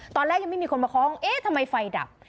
ตอนแรกยังไม่มีคนมาคล้องเอ๊ะทำไมไฟดับ